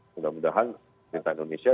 mudah mudahan pemerintah indonesia